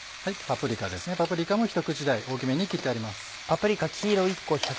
パプリカもひと口大大きめに切ってあります。